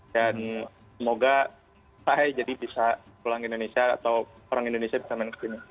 dan semoga saya jadi bisa pulang ke indonesia atau orang indonesia bisa menekan ke sini